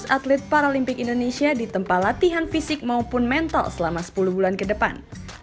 dua belas atlet paralimpik indonesia ditempa latihan fisik maupun mental selama sepuluh bulan ke depan